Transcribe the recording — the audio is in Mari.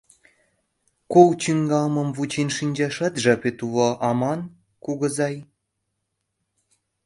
— Кол чӱҥгалмым вучен шинчашат жапет уло аман, кугызай?